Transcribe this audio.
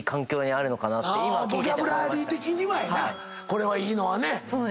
これはいいのはね。